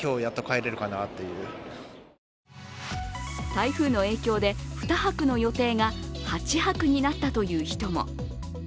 台風の影響で２泊の予定が８泊になったという人も。